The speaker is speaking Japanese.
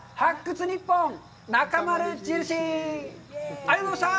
ありがとうございます。